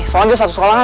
soalnya satu sekolah aja